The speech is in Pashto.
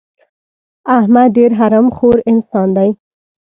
احمد ډېر حرام خور انسان دی.